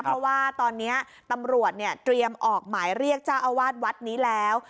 เพราะว่าตอนนี้ตำรวจเนี่ยเตรียมออกหมายเรียกเจ้าอาวาสวัดนี้แล้ว